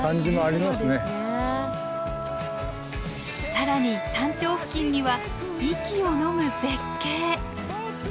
更に山頂付近には息をのむ絶景！